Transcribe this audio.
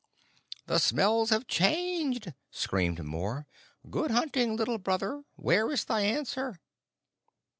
"The smells have changed," screamed Mor. "Good hunting, Little Brother! Where is thy answer?"